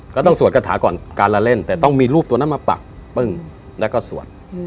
สวดกระถาก่อนการละเล่นแต่ต้องมีรูปตัวนั้นมาปักปึ้งแล้วก็สวด